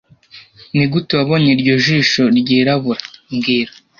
Nigute wabonye iryo jisho ryirabura mbwira